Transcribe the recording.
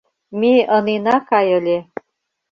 — Ме ынена кай ыле...